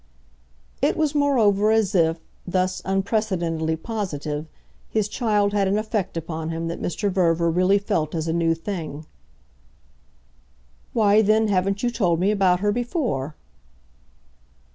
It was moreover as if, thus unprecedentedly positive, his child had an effect upon him that Mr. Verver really felt as a new thing. "Why then haven't you told me about her before?"